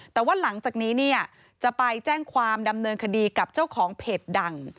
แต่ว่าหลังจากนี้เนี่ยจะไปแจ้งความดำเนินคดีกับเจ้าของเพจดัง